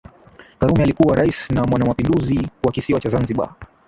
Karume alikuwa rais na mwanamapinduzi wa kisiwa cha Zanzibar